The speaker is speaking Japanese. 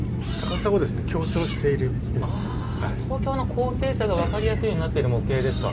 東京の高低差が分かりやすいようになってる模型ですか。